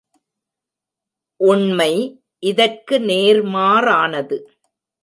உண்மை இதற்கு நேர்மாறானது.